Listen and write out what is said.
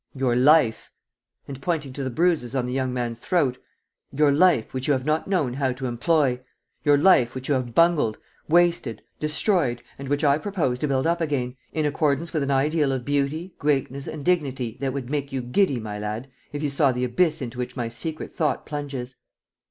"Your life!" And, pointing to the bruises on the young man's throat, "Your life, which you have not known how to employ! Your life, which you have bungled, wasted, destroyed and which, I propose to build up again, in accordance with an ideal of beauty, greatness and dignity that would make you giddy, my lad, if you saw the abyss into which my secret thought plunges.